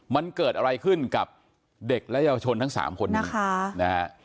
มันเกิดอะไรขึ้นกับเด็กและเยาวชนทั้ง๓คนนี้นะฮะ